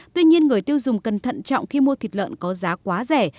tuy nhiên người tiêu dùng cẩn thận trọng khi mua thịt lợn có giá quá rẻ